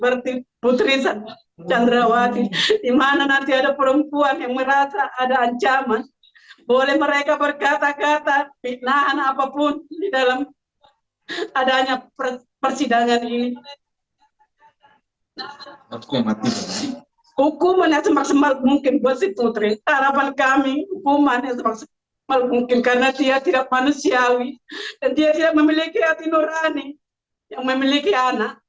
rosti mengaku kecewa dan sedih lantaran tuntutan tersebut dianggap terlalu ringan